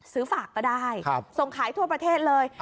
ซื้อฝากก็ได้ส่งขายทั่วประเทศเลย